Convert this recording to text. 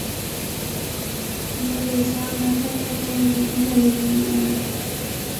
نه له ځانه خبر وي نه له دنيا نه!